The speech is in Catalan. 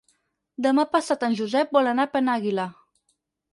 Demà passat en Josep vol anar a Penàguila.